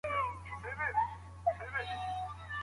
د پوهني په برخه کي نړیوالې مرستې څنګه مصرفېږي؟